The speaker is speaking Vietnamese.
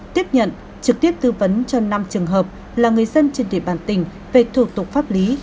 tiếp nhận trực tiếp tư vấn cho năm trường hợp là người dân trên địa bàn tỉnh về thủ tục pháp lý